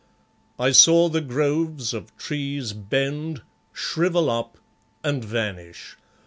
I saw the groves of trees bend, shrivel up and vanish.